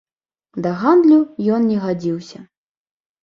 Да гандлю ён не гадзіўся.